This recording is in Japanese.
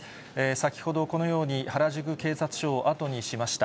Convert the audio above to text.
先ほど、このように原宿警察署を後にしました。